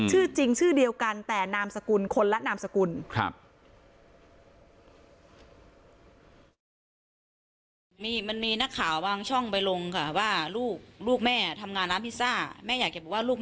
ชื่อจริงชื่อเดียวกันแต่นามสกุลคนละนามสกุล